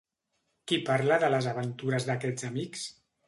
Qui parla de les aventures d'aquests amics?